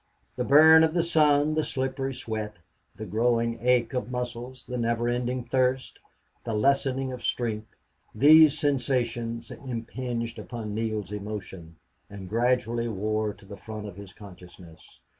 The burn of the sun, the slippery sweat, the growing ache of muscles, the never ending thirst, the lessening of strength these sensations impinged upon Neale's emotion and gradually wore to the front of his consciousness.